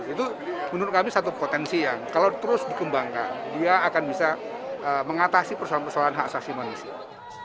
itu menurut kami satu potensi yang kalau terus dikembangkan dia akan bisa mengatasi persoalan persoalan hak asasi manusia